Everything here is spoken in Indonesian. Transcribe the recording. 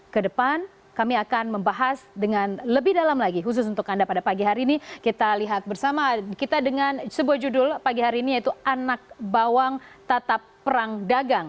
kedepan kami akan membahas dengan lebih dalam lagi khusus untuk anda pada pagi hari ini kita lihat bersama kita dengan sebuah judul pagi hari ini yaitu anak bawang tatap perang dagang